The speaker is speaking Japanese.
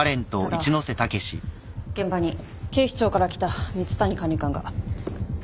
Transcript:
ただ現場に警視庁から来た蜜谷管理官が。